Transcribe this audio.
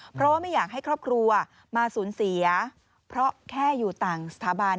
เพราะว่าไม่อยากให้ครอบครัวมาสูญเสียเพราะแค่อยู่ต่างสถาบัน